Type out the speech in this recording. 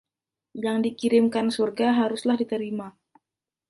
Yang dikirimkan surga haruslah diterima!